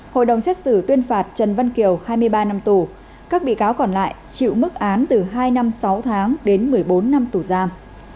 hội đồng xét xử tuyên phạt trần văn kiều hai mươi ba năm tù các bị cáo còn lại chịu mức án từ hai năm sáu tháng đến một mươi bốn năm tù giam